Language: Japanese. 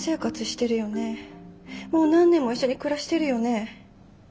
もう何年も一緒に暮らしてるよね？